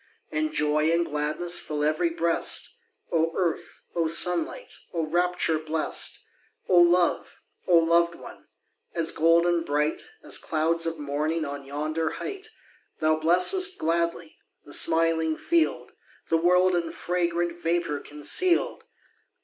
And joy and gladness Fill ev'ry breast! Oh earth! oh sunlight! Oh rapture blest! Oh love! oh loved one! As golden bright, As clouds of morning On yonder height! Thou blessest gladly The smiling field, The world in fragrant Vapour conceal'd.